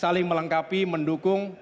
saling melengkapi mendukung